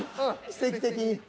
奇跡的に。